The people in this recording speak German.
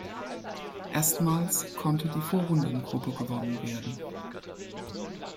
Erstmals konnte die Vorrundengruppe gewonnen werden.